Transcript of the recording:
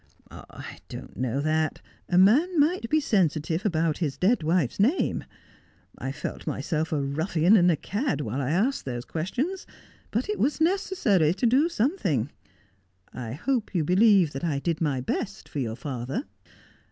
1 ' I don't know that. A man might be sensitive about his dead wife's name. I felt myself a ruffian and a cad while I asked those questions ; but it was necessary to do something. I hope you believe that I did my best for your father.'